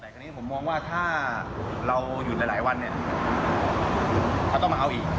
๑๕ครับ